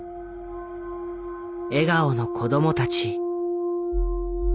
笑顔の子どもたち。